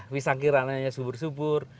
wisang kiramannya subur subur